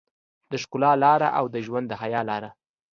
د ښکلا لاره او د ژوند د حيا لاره.